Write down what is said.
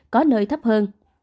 có nơi thấp hơn